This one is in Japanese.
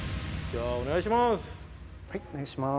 はいお願いします。